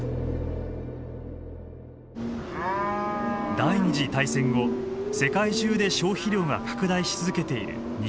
第２次大戦後世界中で消費量が拡大し続けている肉。